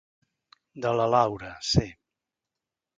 De la Laura, sí.